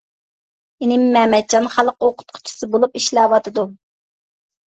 ئىنىم مەمەتجان خەلق ئوقۇتقۇچىسى بولۇپ ئىشلەۋاتىدۇ.